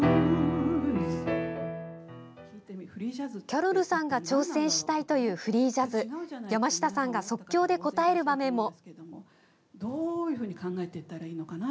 キャロルさんが挑戦したいというフリージャズ山下さんが即興で応える場面も。